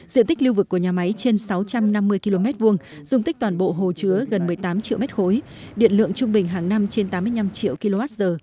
diện tích lưu vực của nhà máy trên sáu trăm năm mươi km hai dùng tích toàn bộ hồ chứa gần một mươi tám triệu m ba điện lượng trung bình hàng năm trên tám mươi năm triệu kwh